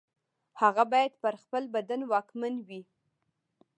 هغه باید پر خپل بدن واکمن وي.